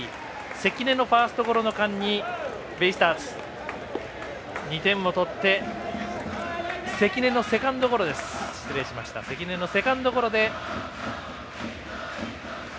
関根のファーストゴロの間にベイスターズ、２点を取って関根のセカンドゴロです。